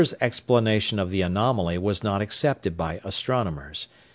] Roemer's explanation of the anomaly was not accepted by astronomers.